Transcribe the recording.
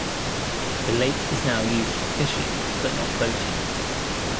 The lake is now used for fishing, but not boating.